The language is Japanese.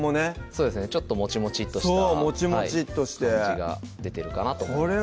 そうですねちょっともちもちっとした感じが出てるかなと思います